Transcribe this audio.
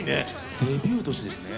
デビュー年ですね。